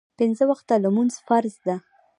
پنځه وخته لمونځ فرض ده